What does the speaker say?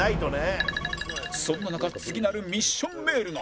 そんな中次なるミッションメールが